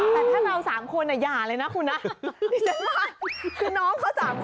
แม้เมื่อเรา๓คนน่ะหย่าเลยนะคุณน้อง